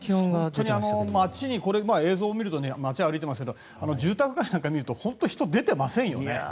本当に街の映像を見ると街、歩いてますが住宅街なんか見ると本当に人出てませんよね。